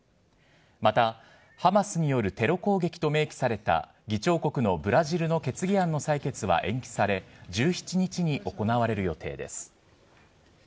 またハマスによるテロ攻撃と明記された議長国のブラジルの決議案の採決は延期され、１７日に行われる予定です。